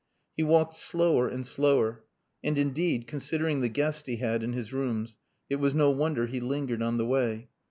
He walked slower and slower. And indeed, considering the guest he had in his rooms, it was no wonder he lingered on the way.